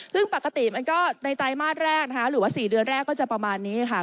ซึ่งปกติมันก็ในไตรมาสแรกนะคะหรือว่า๔เดือนแรกก็จะประมาณนี้ค่ะ